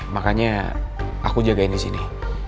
makanya aku jagain disini